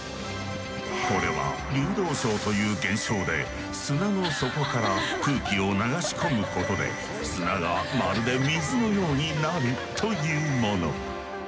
これは流動床という現象で砂の底から空気を流し込むことで砂がまるで水のようになるというもの。